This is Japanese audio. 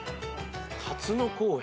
龍野公園。